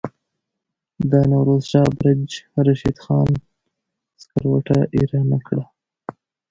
د نوروز شاه برج رشید خان سکروټه ایره نه کړه.